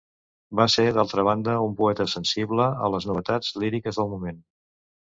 Va ser, d'altra banda, un poeta sensible a les novetats líriques del moment.